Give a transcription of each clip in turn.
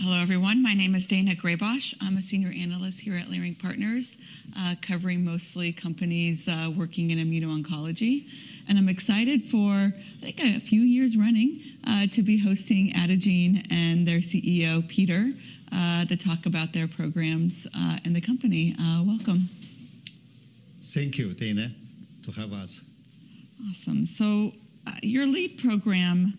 Hello, everyone. My name is Daina Graybosch. I'm a Senior Analyst here at Leerink Partners, covering mostly companies working in immuno-oncology. I'm excited for, I think, a few years running to be hosting Adagene and their CEO, Peter, to talk about their programs and the company. Welcome. Thank you, Daina, to have us. Awesome. Your lead program,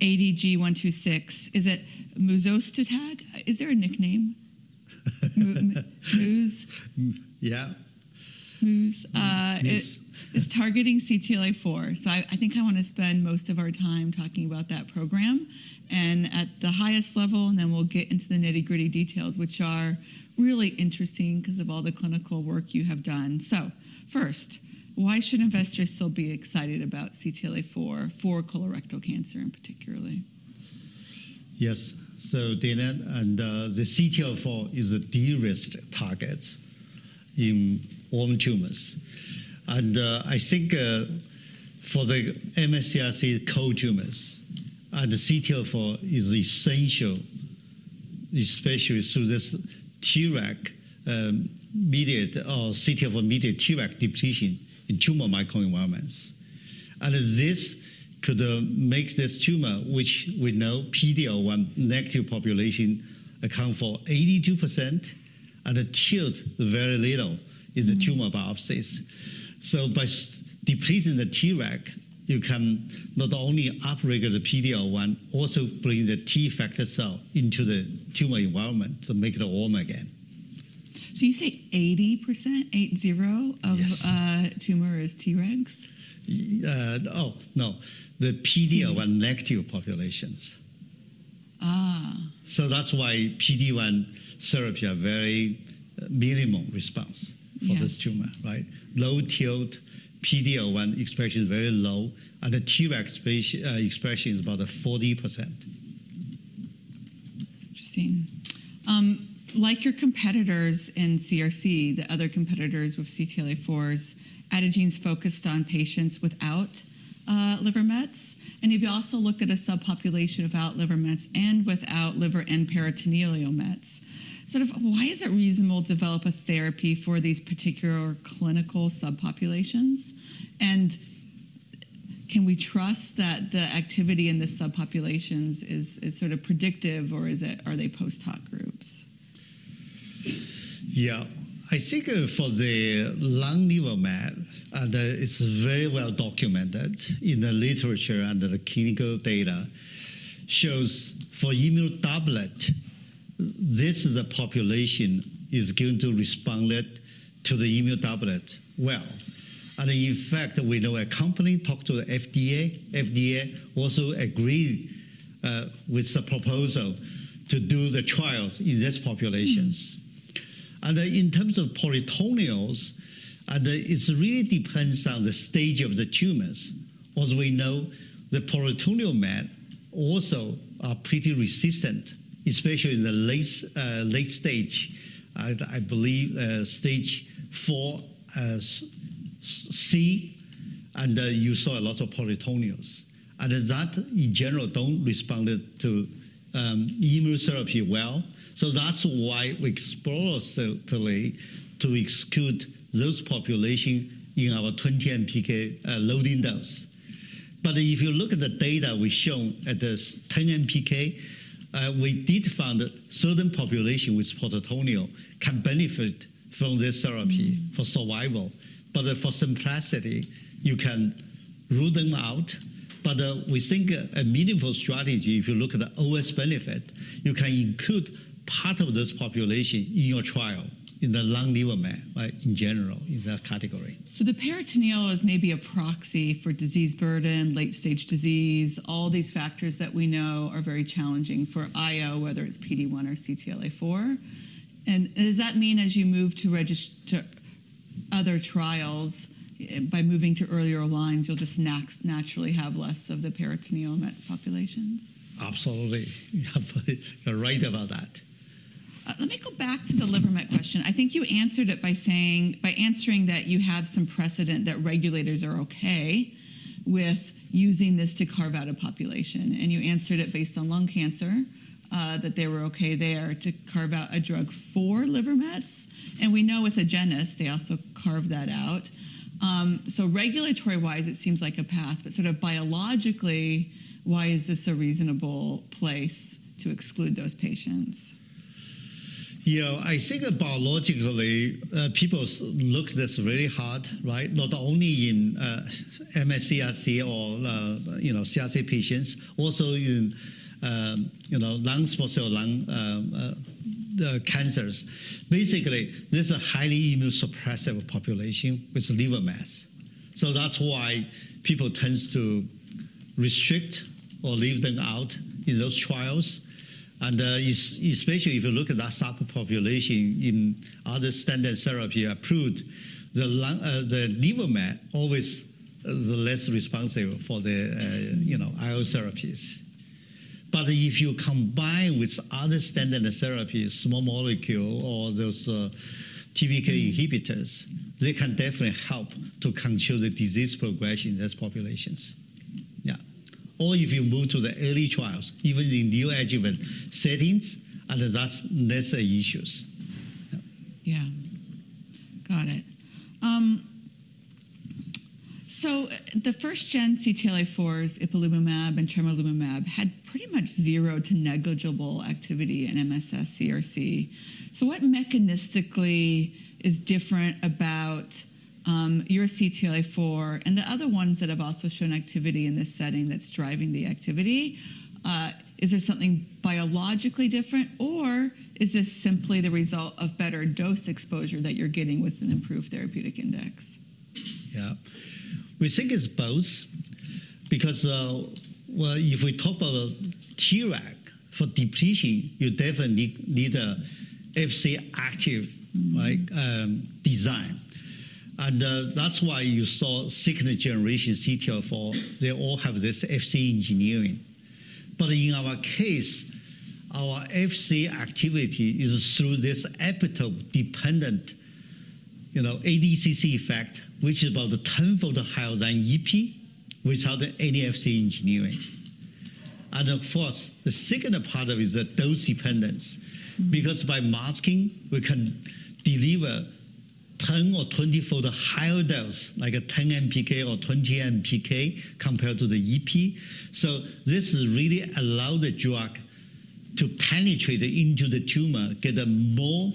ADG126, is it muzastotug? Is there a nickname? Yeah. Muz is targeting CTLA-4. I think I want to spend most of our time talking about that program and at the highest level, and then we'll get into the nitty-gritty details, which are really interesting because of all the clinical work you have done. First, why should investors still be excited about CTLA-4 for colorectal cancer in particular? Yes. Daina, the CTLA-4 is a de-risked target in all tumors. I think for the MSS CRC tumors, the CTLA-4 is essential, especially through this Treg-mediated or CTLA-4-mediated Treg depletion in tumor microenvironments. This could make this tumor, which we know PD-L1 negative population accounts for 82%, and the TILs very little in the tumor biopsies. By depleting the Treg, you can not only upregulate the PD-L1, also bring the T effector cell into the tumor environment to make it warm again. You say 80%, 80 of tumors is Tregs? Oh, no. The PD-L1 negative populations. That is why PD-L1 therapy has very minimal response for this tumor, right? Low TILs, PD-L1 expression is very low, and the Treg expression is about 40%. Interesting. Like your competitors in CRC, the other competitors with CTLA-4s, Adagene's focused on patients without liver mets. You have also looked at a subpopulation without liver mets and without liver and peritoneal mets. Sort of why is it reasonable to develop a therapy for these particular clinical subpopulations? Can we trust that the activity in the subpopulations is sort of predictive, or are they post-hoc groups? Yeah. I think for the lung liver met, and it's very well documented in the literature and the clinical data, shows for immuno-doublet, this is the population that is going to respond to the immuno-doublet well. In fact, we know a company talked to the FDA, FDA also agreed with the proposal to do the trials in these populations. In terms of peritoneals, it really depends on the stage of the tumors. As we know, the peritoneal mets also are pretty resistant, especially in the late stage, I believe stage 4C, and you saw a lot of peritoneals. That, in general, don't respond to immunotherapy well. That's why we explored to exclude those populations in our 20 MPK loading dose. If you look at the data we show at this 10 MPK, we did find that certain populations with peritoneal can benefit from this therapy for survival. For simplicity, you can rule them out. We think a meaningful strategy, if you look at the OS benefit, you can include part of this population in your trial in the lung liver met in general in that category. The peritoneal is maybe a proxy for disease burden, late-stage disease, all these factors that we know are very challenging for IO, whether it's PD-1 or CTLA-4. Does that mean as you move to register other trials, by moving to earlier lines, you'll just naturally have less of the peritoneal mets populations? Absolutely. You're right about that. Let me go back to the liver met question. I think you answered it by answering that you have some precedent that regulators are OK with using this to carve out a population. You answered it based on lung cancer, that they were OK there to carve out a drug for liver mets. We know with Agenus, they also carved that out. Regulatory-wise, it seems like a path. Sort of biologically, why is this a reasonable place to exclude those patients? Yeah. I think biologically, people look at this really hard, right? Not only in MSS CRC or CRC patients, also in lung cancers. Basically, this is a highly immunosuppressive population with liver mets. That's why people tend to restrict or leave them out in those trials. Especially if you look at that subpopulation in other standard therapy approved, the liver met always is less responsive for the IO therapies. If you combine with other standard therapies, small molecule or those TKI inhibitors, they can definitely help to control the disease progression in those populations. Yeah. If you move to the early trials, even in neoadjuvant settings, that's lesser issues. Yeah. Got it. The first-gen CTLA-4s, ipilimumab and tremelimumab, had pretty much zero to negligible activity in MSS CRC. What mechanistically is different about your CTLA-4 and the other ones that have also shown activity in this setting that's driving the activity? Is there something biologically different, or is this simply the result of better dose exposure that you're getting with an improved therapeutic index? Yeah. We think it's both. Because if we talk about Treg for depletion, you definitely need an Fc active design. That's why you saw second-generation CTLA-4. They all have this Fc engineering. In our case, our Fc activity is through this epitope-dependent ADCC effect, which is about 10-fold higher than Ipi, without any Fc engineering. Of course, the second part of it is the dose dependence. Because by masking, we can deliver 10- or 20-fold higher dose, like a 10 MPK or 20 MPK compared to the Ipi. This really allows the drug to penetrate into the tumor, get more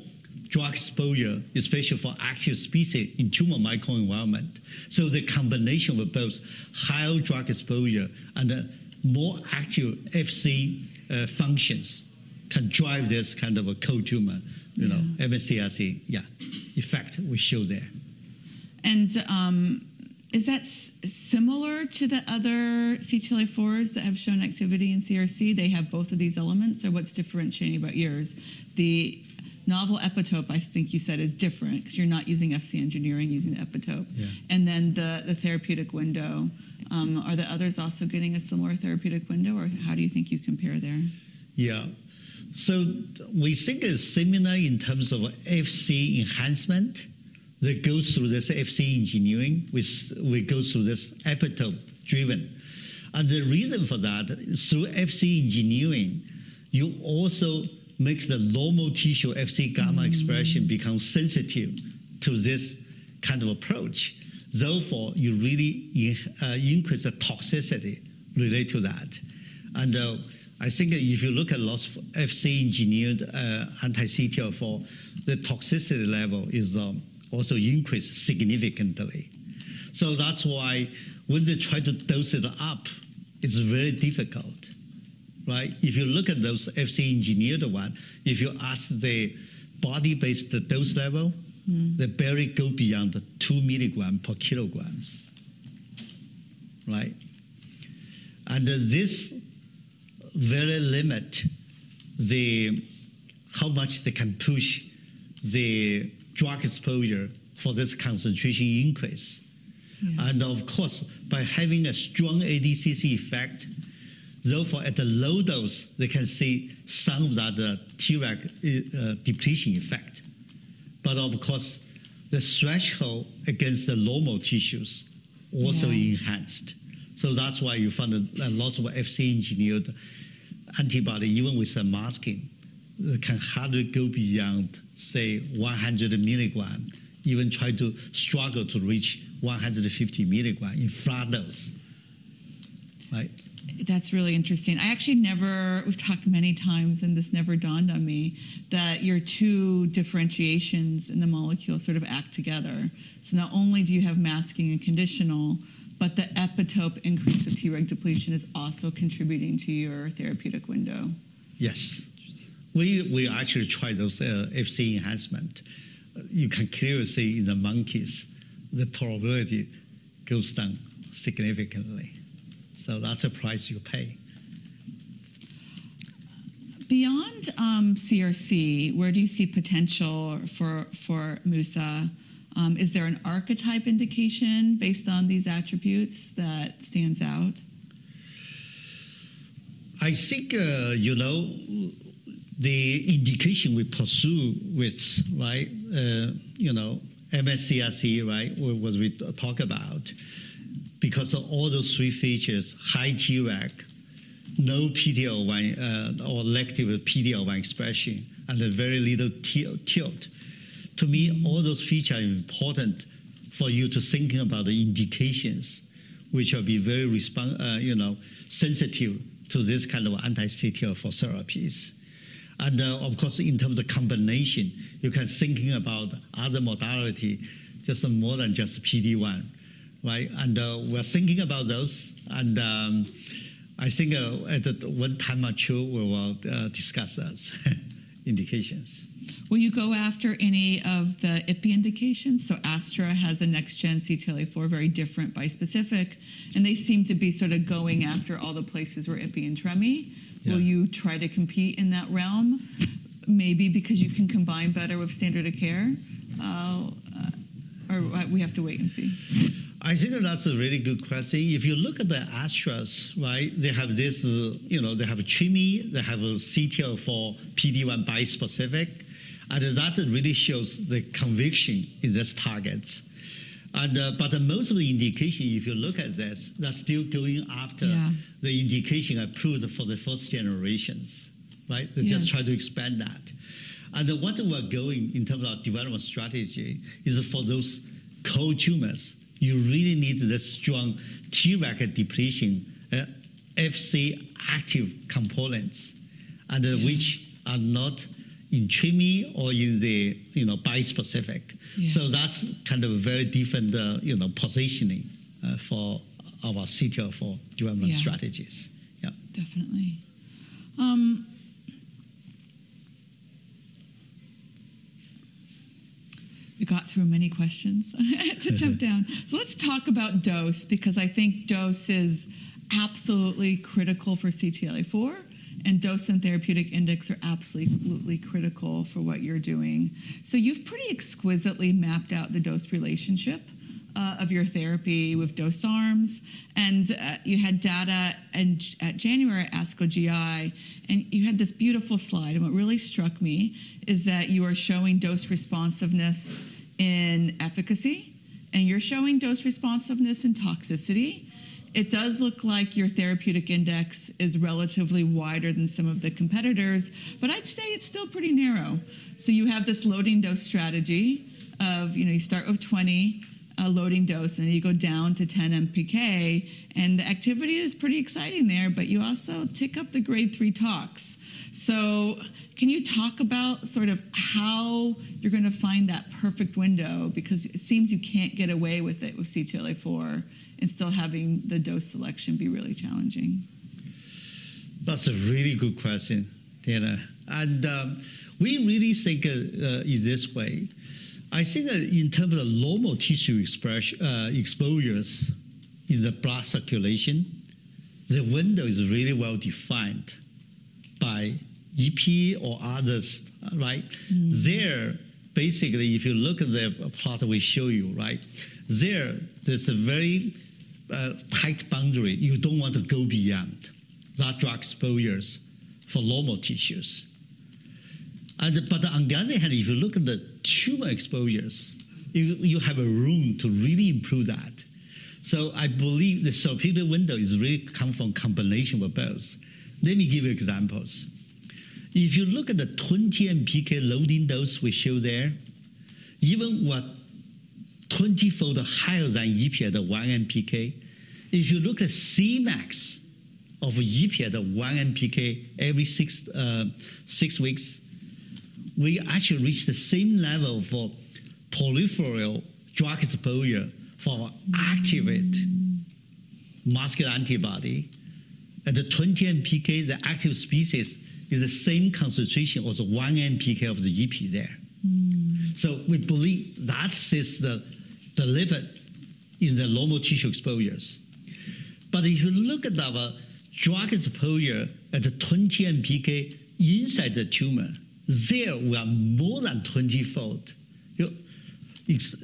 drug exposure, especially for active species in tumor microenvironment. The combination with both higher drug exposure and more active Fc functions can drive this kind of a cold tumor, MSS CRC, yeah, effect we show there. Is that similar to the other CTLA-4s that have shown activity in CRC? They have both of these elements. What is differentiating about yours? The novel epitope, I think you said, is different because you are not using Fc engineering, you are using the epitope. The therapeutic window, are the others also getting a similar therapeutic window? How do you think you compare there? Yeah. We think it's similar in terms of Fc enhancement that goes through this Fc engineering. We go through this epitope-driven. The reason for that, through Fc engineering, you also make the normal tissue Fc gamma expression become sensitive to this kind of approach. Therefore, you really increase the toxicity related to that. I think if you look at lots of Fc engineered anti-CTLA-4, the toxicity level is also increased significantly. That's why when they try to dose it up, it's very difficult, right? If you look at those Fc engineered ones, if you ask the body-based dose level, they barely go beyond 2mg per kilogram, right? This very limits how much they can push the drug exposure for this concentration increase. Of course, by having a strong ADCC effect, therefore, at the low dose, they can see some of that Treg depletion effect. Of course, the threshold against the normal tissues also enhanced. That is why you find a lot of Fc engineered antibody, even with masking, can hardly go beyond, say, 100mg, even try to struggle to reach 150mg in flat dose, right? That's really interesting. I actually never, we've talked many times, and this never dawned on me, that your two differentiations in the molecule sort of act together. So not only do you have masking and conditional, but the epitope increase of Treg depletion is also contributing to your therapeutic window. Yes. We actually tried those Fc enhancements. You can clearly see in the monkeys, the tolerability goes down significantly. That is the price you pay. Beyond CRC, where do you see potential for Muzo? Is there an archetype indication based on these attributes that stands out? I think the indication we pursue with MSS CRC, right, was we talked about. Because of all those three features, high Tregs, no PD-L1 or negative PD-L1 expression, and a very little TILs, to me, all those features are important for you to think about the indications, which will be very sensitive to this kind of anti-CTLA-4 therapies. Of course, in terms of combination, you can think about other modalities, just more than just PD-1, right? We are thinking about those. I think at one time or two, we will discuss those indications. Will you go after any of the Ipi indications? AstraZeneca has a next-gen CTLA-4, very different bispecific. They seem to be sort of going after all the places where Ipi and Tremi. Will you try to compete in that realm, maybe because you can combine better with standard of care? We have to wait and see. I think that's a really good question. If you look at the Astras, right, they have this Tremi, they have CTLA-4 PD-1 bispecific. That really shows the conviction in these targets. Most of the indications, if you look at this, they're still going after the indication approved for the first generations, right? They just try to expand that. What we're going in terms of our development strategy is for those cold tumors, you really need this strong Treg depletion and Fc active components, which are not in Tremi or in the bispecific. That's kind of a very different positioning for our CTLA-4 development strategies. Yeah. Definitely. We got through many questions. To jump down, let's talk about dose, because I think dose is absolutely critical for CTLA-4. Dose and therapeutic index are absolutely critical for what you're doing. You've pretty exquisitely mapped out the dose relationship of your therapy with dose arms. You had data at January at ASCO GI, and you had this beautiful slide. What really struck me is that you are showing dose responsiveness in efficacy, and you're showing dose responsiveness in toxicity. It does look like your therapeutic index is relatively wider than some of the competitors, but I'd say it's still pretty narrow. You have this loading dose strategy of you start with 20 loading dose, and then you go down to 10 MPK. The activity is pretty exciting there, but you also tick up the grade 3 tox. Can you talk about sort of how you're going to find that perfect window? Because it seems you can't get away with it with CTLA-4 and still having the dose selection be really challenging. That's a really good question, Daina. We really think it this way. I think that in terms of normal tissue exposures in the blood circulation, the window is really well defined by EP or others, right? There, basically, if you look at the plot we show you, right, there is a very tight boundary you don't want to go beyond for drug exposures for normal tissues. On the other hand, if you look at the tumor exposures, you have room to really improve that. I believe the superior window really comes from combination with both. Let me give you examples. If you look at the 20 MPK loading dose we show there, even what 20-fold higher than Ipi at the 1 MPK, if you look at Cmax of Ipi at the 1 MPK every six weeks, we actually reach the same level for peripheral drug exposure for activate muscular antibody. At the 20 MPK, the active species is the same concentration as the 1 MPK of the Ipi there. We believe that's the limit in the normal tissue exposures. If you look at our drug exposure at the 20 MPK inside the tumor, there we are more than 20-fold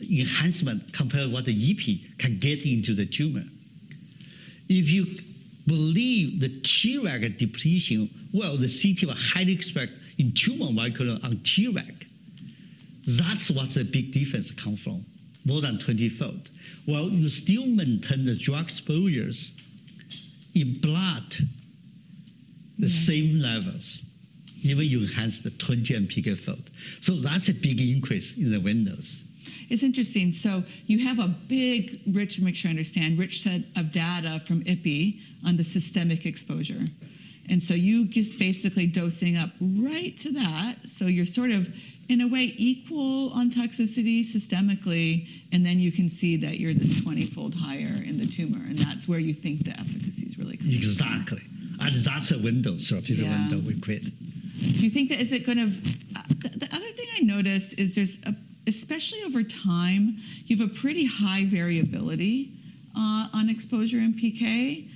enhancement compared to what the Ipi can get into the tumor. If you believe the Treg depletion, the CTLA highly expressed in tumor micro and Treg, that's what the big difference comes from, more than 20-fold. You still maintain the drug exposures in blood at the same levels, even you enhance the 20 MPK fold. That is a big increase in the windows. It's interesting. You have a big, rich, to make sure I understand, rich set of data from Ipi on the systemic exposure. You just basically dosing up right to that. You're sort of, in a way, equal on toxicity systemically. You can see that you're this 20-fold higher in the tumor. That's where you think the efficacy is really coming from. Exactly. That's a window, so if you want to equate. Do you think that is it going to the other thing I noticed is there's, especially over time, you have a pretty high variability on exposure MPK.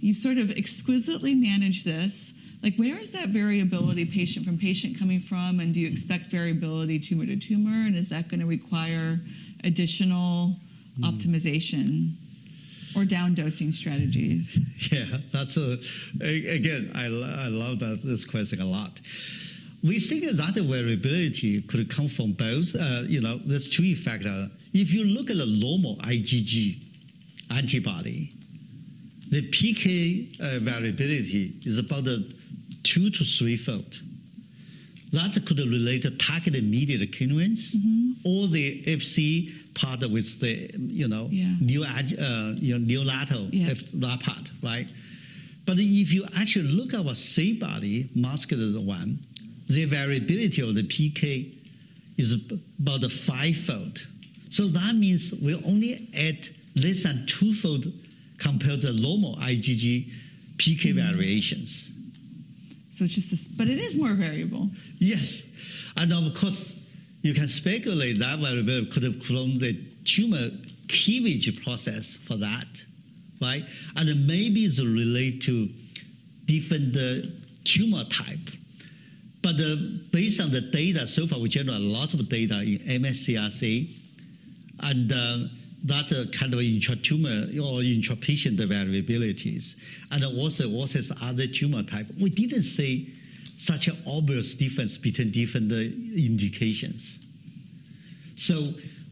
You sort of exquisitely managed this. Like, where is that variability patient from patient coming from? Do you expect variability tumor to tumor? Is that going to require additional optimization or down-dosing strategies? Yeah. That's a, again, I love this question a lot. We think that variability could come from both. There's two factors. If you look at a normal IgG antibody, the PK variability is about 2-3-fold. That could relate to target-mediated pathways or the Fc part with the neonatal part, right? If you actually look at our SAFEbody, muzastotug one, the variability of the PK is about 5-fold. That means we only add less than 2-fold compared to normal IgG PK variations. It is just a but it is more variable. Yes. Of course, you can speculate that variability could have cloned the tumor cleavage process for that, right? Maybe it's related to different tumor type. Based on the data so far, we generate a lot of data in MSS CRC and that kind of intra-tumor or intrapatient variabilities. Also, other tumor types. We didn't see such an obvious difference between different indications.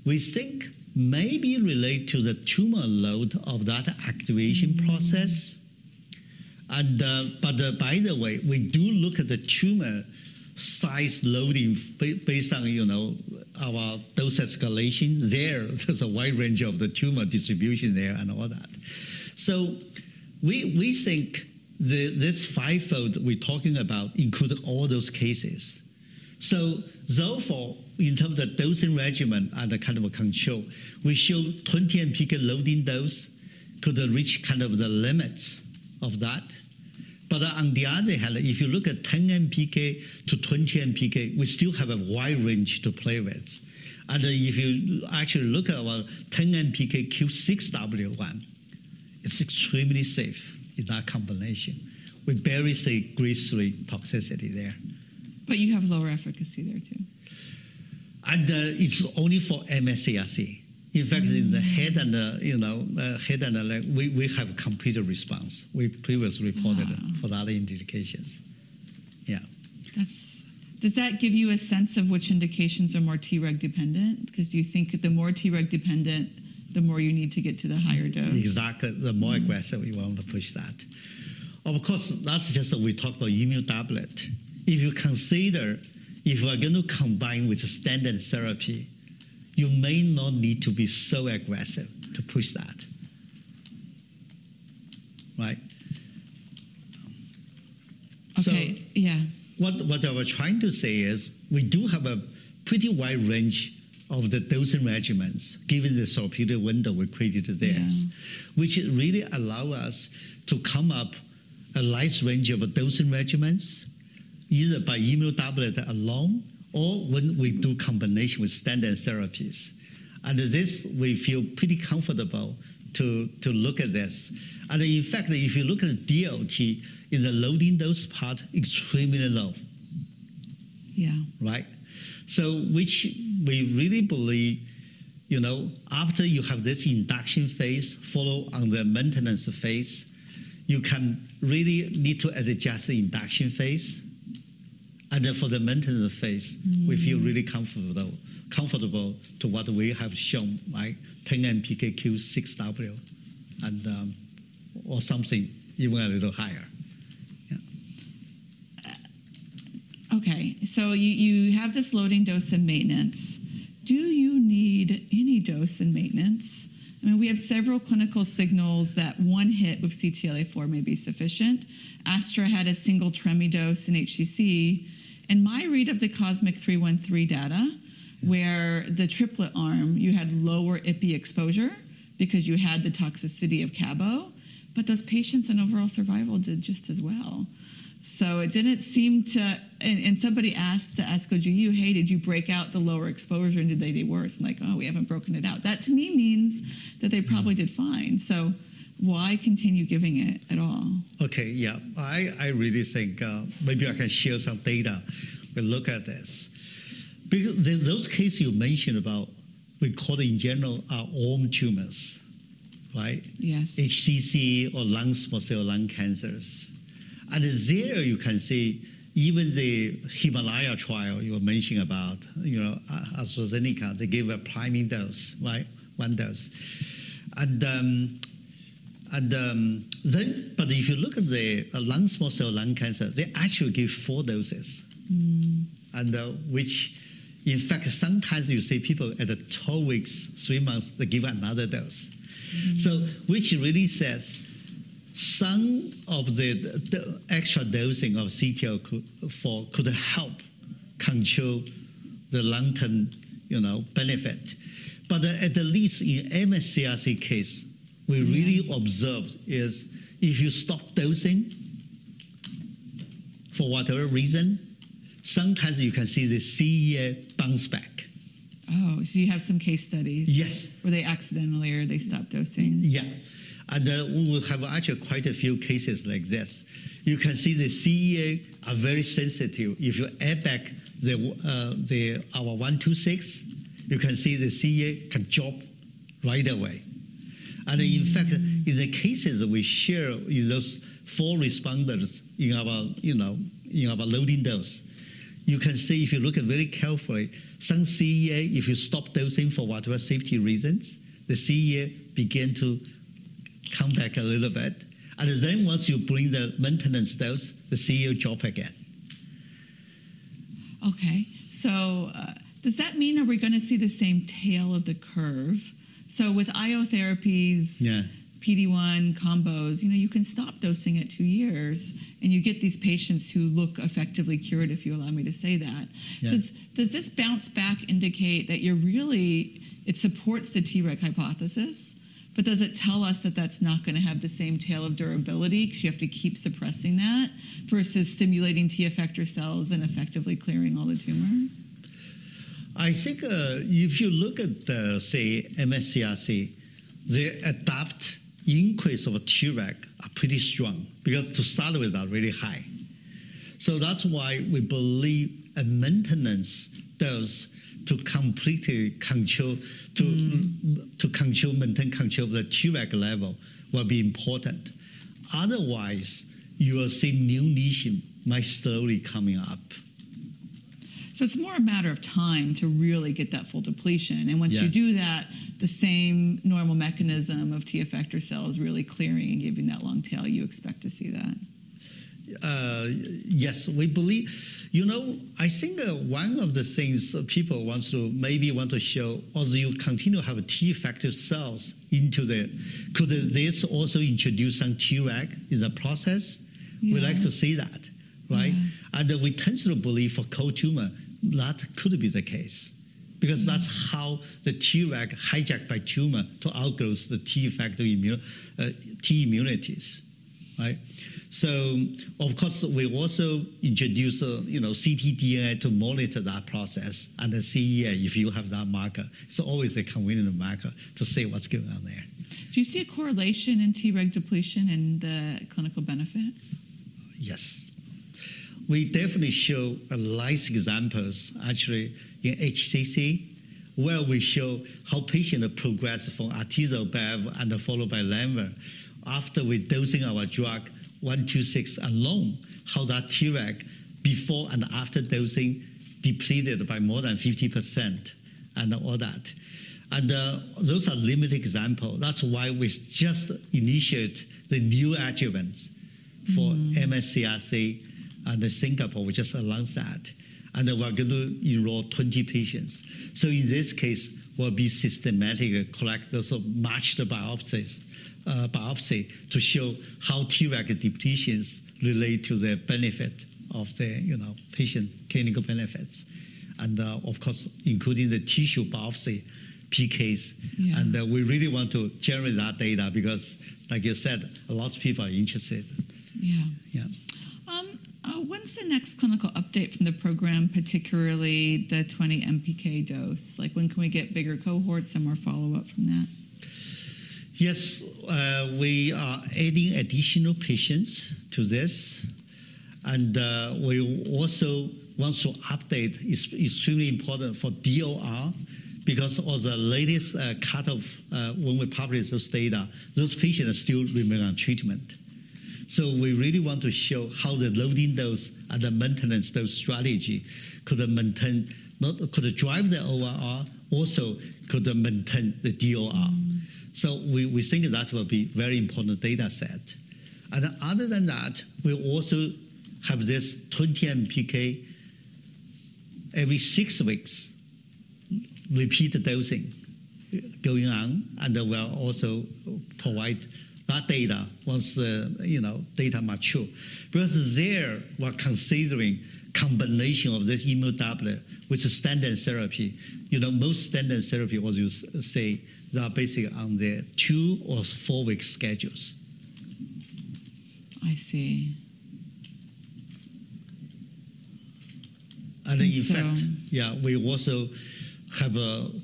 We think maybe relate to the tumor load of that activation process. By the way, we do look at the tumor size loading based on our dose escalation there. There's a wide range of the tumor distribution there and all that. We think this 5-fold we're talking about includes all those cases. Therefore, in terms of the dosing regimen and the kind of control, we show 20 MPK loading dose could reach kind of the limits of that. On the other hand, if you look at 10 MPK to 20 MPK, we still have a wide range to play with. And if you actually look at our 10 MPK Q6W, it's extremely safe in that combination. We barely see grade 3 toxicity there. You have lower efficacy there too. It's only for MSS CRC. In fact, in the head and neck, we have a complete response. We previously reported for that indication. Yeah. Does that give you a sense of which indications are more Treg dependent? Because do you think the more Treg dependent, the more you need to get to the higher dose? Exactly. The more aggressive you want to push that. Of course, that's just we talk about immuno-doublet. If you consider if we're going to combine with a standard therapy, you may not need to be so aggressive to push that, right? OK, yeah. What I was trying to say is we do have a pretty wide range of the dosing regimens given the superior window we created there, which really allow us to come up a nice range of dosing regimens, either by immuno-doublet alone or when we do combination with standard therapies. This, we feel pretty comfortable to look at this. In fact, if you look at the DLT, in the loading dose part, extremely low, right? We really believe, after you have this induction phase followed on the maintenance phase, you can really need to adjust the induction phase. For the maintenance phase, we feel really comfortable to what we have shown, right? 10 MPK Q6W or something, even a little higher. OK. So you have this loading dose and maintenance. Do you need any dose and maintenance? I mean, we have several clinical signals that one hit with CTLA-4 may be sufficient. Astra had a single Tremi dose in HCC. And my read of the COSMIC-313 data, where the triplet arm, you had lower Ipi exposure because you had the toxicity of cabo. But those patients and overall survival did just as well. So it didn't seem to and somebody asked to ASCO GU, hey, did you break out the lower exposure? And did they get worse? I'm like, oh, we haven't broken it out. That to me means that they probably did fine. So why continue giving it at all? OK, yeah. I really think maybe I can share some data. We look at this. Those cases you mentioned about, we call them in general, are IO tumors, right? Yes. HCC or lung small cell lung cancers. There, you can see even the Himalaya trial you were mentioning about, AstraZeneca, they gave a priming dose, right? One dose. If you look at the lung small cell lung cancer, they actually gave four doses, which in fact, sometimes you see people at the 12 weeks, three months, they give another dose. This really says some of the extra dosing of CTLA-4 could help control the long-term benefit. At least in MSS CRC case, we really observed is if you stop dosing for whatever reason, sometimes you can see the CEA bounce back. Oh, so you have some case studies. Yes. Where they accidentally or they stop dosing. Yeah. We have actually quite a few cases like this. You can see the CEA are very sensitive. If you add back our 126, you can see the CEA can jump right away. In fact, in the cases we share in those four responders in our loading dose, you can see if you look at very carefully, some CEA, if you stop dosing for whatever safety reasons, the CEA began to come back a little bit. Once you bring the maintenance dose, the CEA jump again. OK. Does that mean are we going to see the same tail of the curve? With IO therapies, PD-1 combos, you can stop dosing at two years. You get these patients who look effectively cured, if you allow me to say that. Does this bounce back indicate that it really supports the Treg hypothesis? Does it tell us that that's not going to have the same tail of durability because you have to keep suppressing that versus stimulating T effector cells and effectively clearing all the tumor? I think if you look at the, say, MSS CRC, the adaptive increase of Tregs are pretty strong because to start with, they are really high. That's why we believe a maintenance dose to completely control, to maintain control of the Treg level, will be important. Otherwise, you will see new lesion might slowly coming up. It is more a matter of time to really get that full depletion. Once you do that, the same normal mechanism of T effector cells really clearing and giving that long tail, you expect to see that? Yes. We believe, you know, I think one of the things people want to maybe want to show, as you continue to have T effector cells into there, could this also introduce some Tregs in the process? We like to see that, right? We tend to believe for cold tumor, that could be the case because that's how the Tregs hijacked by tumor to outgrow the T effector immunities, right? Of course, we also introduce ctDNA to monitor that process. The CEA, if you have that marker, it's always a convenient marker to see what's going on there. Do you see a correlation in Treg depletion and the clinical benefit? Yes. We definitely show nice examples actually in HCC, where we show how patient progressed from atezolizumab and followed by lenvatinib after we dosing our drug 126 alone, how that Treg before and after dosing depleted by more than 50% and all that. Those are limited examples. That is why we just initiated the new adjuvants for MSS CRC and the Singapore. We just announced that. We are going to enroll 20 patients. In this case, we will systematically collect those matched biopsies to show how Treg depletions relate to the benefit of the patient clinical benefits. Of course, including the tissue biopsy PKs. We really want to generate that data because, like you said, a lot of people are interested. Yeah. When's the next clinical update from the program, particularly the 20 MPK dose? Like, when can we get bigger cohorts and more follow-up from that? Yes. We are adding additional patients to this. We also want to update, it is extremely important for DOR because of the latest cut of when we published those data, those patients still remain on treatment. We really want to show how the loading dose and the maintenance dose strategy could maintain, not could drive the ORR, also could maintain the DOR. We think that will be a very important data set. Other than that, we also have this 20 MPK every six weeks repeat dosing going on. We will also provide that data once the data mature. There, we are considering combination of this immuno-doublet with the standard therapy. Most standard therapy, as you say, they are basically on the two or four-week schedules. I see. In fact, yeah, we also have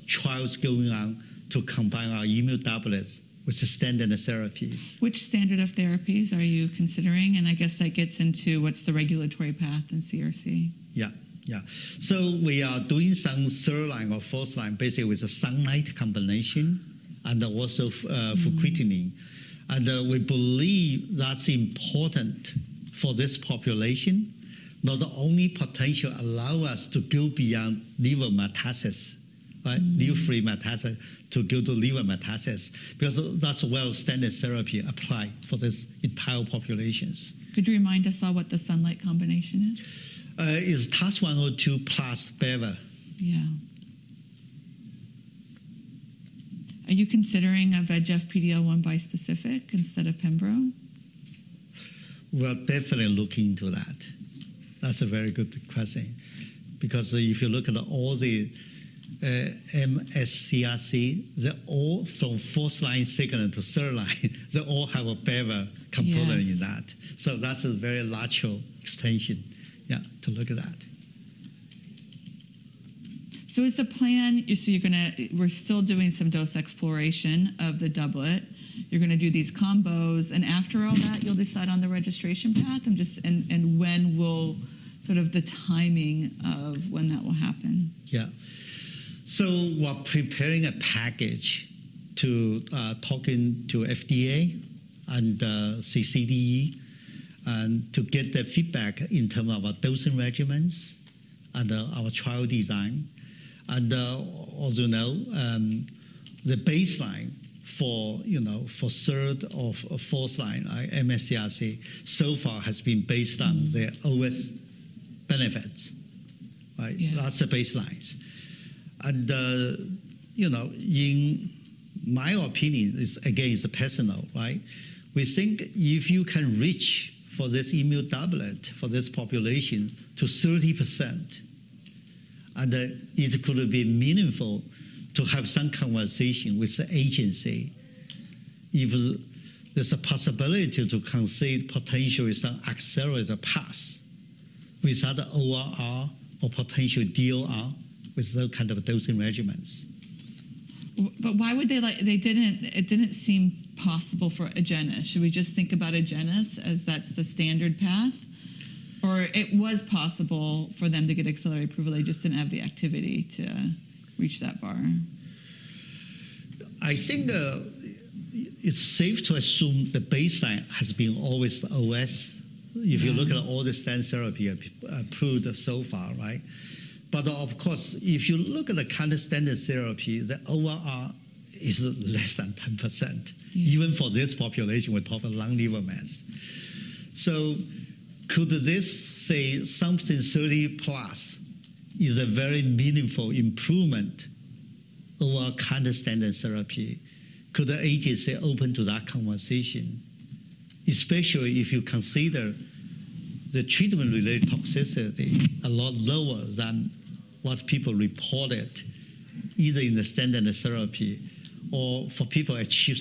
trials going on to combine our immuno-doublets with the standard therapies. Which standard of therapies are you considering? I guess that gets into what's the regulatory path in CRC. Yeah, yeah. We are doing some third line or fourth line basically with a SUNLIGHT combination and also fruquintinib. We believe that's important for this population, not only potentially allowing us to go beyond liver metastasis, right? Liver-free metastasis to go to liver metastasis. Because that's where standard therapy applies for these entire populations. Could you remind us what the SUNLIGHT combination is? It's TAS-102+ Beva. Yeah. Are you considering a VEGF PD-L1 bispecific instead of Pembro? We're definitely looking into that. That's a very good question. Because if you look at all the MSS CRC, they're all from fourth line segment to third line. They all have a Beva component in that. That's a very large extension, yeah, to look at that. Is the plan so you're going to we're still doing some dose exploration of the doublet. You're going to do these combos. After all that, you'll decide on the registration path? When will sort of the timing of when that will happen? Yeah. We're preparing a package to talk to FDA and CDE to get their feedback in terms of our dosing regimens and our trial design. As you know, the baseline for third or fourth line MSS CRC so far has been based on the OS benefits, right? That's the baseline. In my opinion, it's again, it's personal, right? We think if you can reach for this immuno-doublet for this population to 30%, it could be meaningful to have some conversation with the agency if there's a possibility to concede potentially some accelerated paths without the ORR or potential DOR with those kind of dosing regimens. Why would they, like, it didn't seem possible for Agenus? Should we just think about Agenus as that's the standard path? Or it was possible for them to get accelerated privilege, just didn't have the activity to reach that bar? I think it's safe to assume the baseline has been always OS. If you look at all the standard therapy approved so far, right? If you look at the current standard therapy, the ORR is less than 10%, even for this population. We're talking lung liver mass. Could this say something 30+ is a very meaningful improvement over our current standard therapy? Could the agency open to that conversation, especially if you consider the treatment-related toxicity a lot lower than what people reported, either in the standard therapy or for people achieve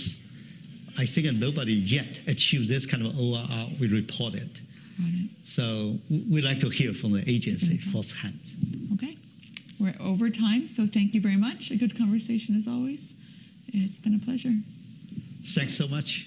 I think nobody yet achieved this kind of ORR we reported. We'd like to hear from the agency firsthand. OK. We're over time. Thank you very much. A good conversation as always. It's been a pleasure. Thanks so much.